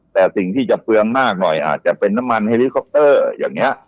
แต่สิ่งที่จะเปลืองมากหน่อยอาจจะเป็นน้ำมันเฮลิคอปเตอร์อย่างนี้